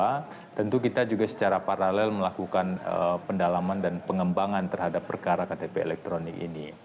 karena tentu kita juga secara paralel melakukan pendalaman dan pengembangan terhadap perkara ktp elektronik ini